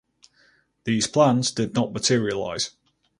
These plans did not materialize.